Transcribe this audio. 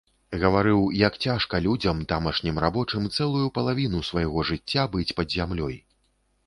Гаварыў, як цяжка людзям, тамашнім рабочым, цэлую палавіну свайго жыцця быць пад зямлёй.